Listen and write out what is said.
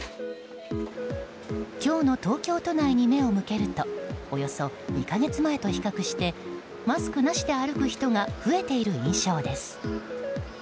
今日の東京都内に目を向けるとおよそ２か月前と比較してマスクなしで歩く人が増えている印象です。